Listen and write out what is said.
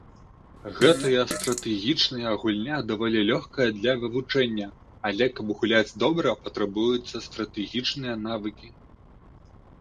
Гэтая стратэгічная гульня даволі лёгкая для вывучэння, але каб гуляць добра патрабуюцца стратэгічныя навыкі.